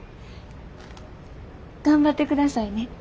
頑張ってくださいね。